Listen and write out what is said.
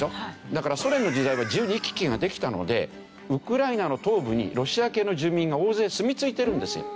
だからソ連の時代は自由に行き来ができたのでウクライナの東部にロシア系の住民が大勢住み着いてるんですよ。